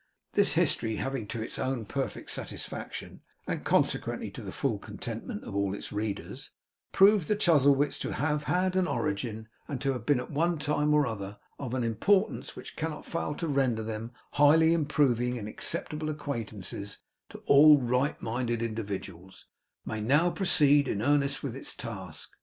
This history having, to its own perfect satisfaction, (and, consequently, to the full contentment of all its readers,) proved the Chuzzlewits to have had an origin, and to have been at one time or other of an importance which cannot fail to render them highly improving and acceptable acquaintance to all right minded individuals, may now proceed in earnest with its task.